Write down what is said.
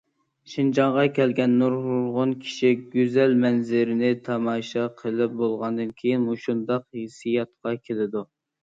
شىنجاڭغا كەلگەن نۇرغۇن كىشى، گۈزەل مەنزىرىنى تاماشا قىلىپ بولغاندىن كېيىن مۇشۇنداق ھېسسىياتقا كېلىدۇ.